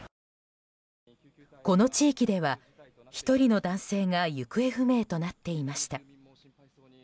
この地域では１人の男性が行方不明となっていました。